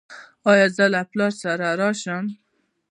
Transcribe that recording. ایا زه له پلار سره راشم؟